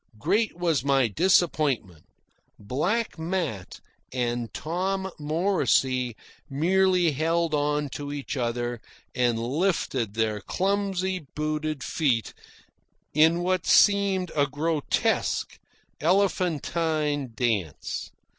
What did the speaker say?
Great was my disappointment. Black Matt and Tom Morrisey merely held on to each other and lifted their clumsy booted feet in what seemed a grotesque, elephantine dance.